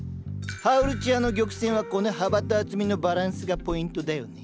ハオルチアの玉扇はこの幅と厚みのバランスがポイントだよね。